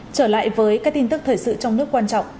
trở lại với các tin tức thời sự trong nước quan trọng